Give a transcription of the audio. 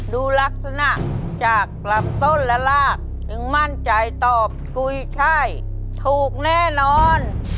ดูลักษณะจากลำต้นและรากถึงมั่นใจตอบกุยช่ายถูกแน่นอน